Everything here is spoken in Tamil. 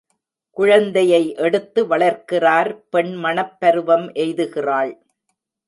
குழந்தையை எடுத்து வளர்க்கிறார் பெண் மணப்பருவம் எய்துகிறாள்.